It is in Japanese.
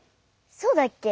そうだっけ？